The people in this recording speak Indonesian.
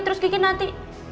terus kiki nanti